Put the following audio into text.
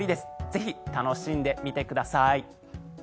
ぜひ楽しんでみてください。